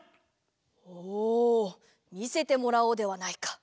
おみせてもらおうではないか。